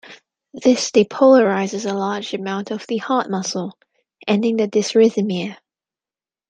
This depolarizes a large amount of the heart muscle, ending the dysrhythmia.